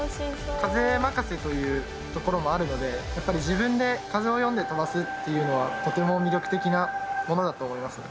「風まかせ」というところもあるのでやっぱり自分で風を読んで飛ばすっていうのはとても魅力的なものだと思いますね。